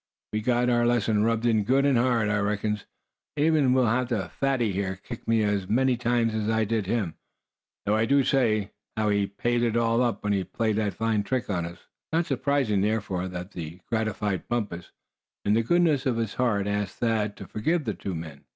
"We got our lesson rubbed in good an' hard, I reckons. I'm even willin' to have Fatty here kick me as many times as I did him; though I do say as how he paid it all up when he played that fine trick on us." It was not surprising, therefore, that the gratified Bumpus, in the goodness of his heart, asked Thad to forgive the two men.